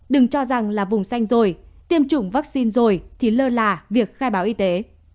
đừng cho rằng là vùng xanh rồi tiêm chủng vaccine rồi thì lơ là việc khai báo y tế